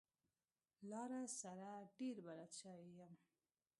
لاره سره ډېر بلد شوی يم.